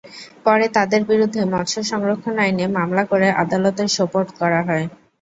পরে তাঁদের বিরুদ্ধে মৎস্য সংরক্ষণ আইনে মামলা করে আদালতে সোপর্দ করা হয়।